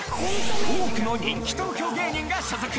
多くの人気東京芸人が所属。